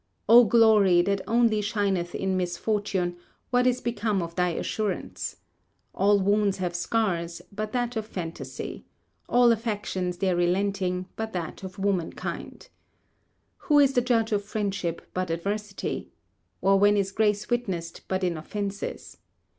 O Glory, that only shineth in misfortune, what is become of thy assurance? All wounds have scars, but that of fantasy; all affections their relenting, but that of womankind. Who is the judge of friendship, but adversity? or when is grace witnessed, but in offences?